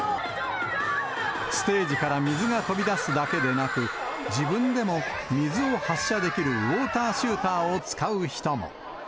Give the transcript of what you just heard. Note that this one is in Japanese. ステージから水が飛び出すだけでなく、自分でも水を発射できるウォーター・シューターを使う人も。